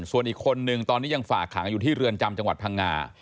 ส่วนอีกคนนึงตอนนี้ยังฝากขังอยู่ที่เรือนจำจังหวัดพังงา